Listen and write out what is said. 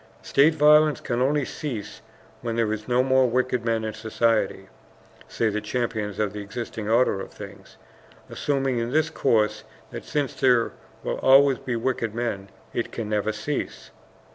"State violence can only cease when there are no more wicked men in society," say the champions of the existing order of things, assuming in this of course that since there will always be wicked men, it can never cease.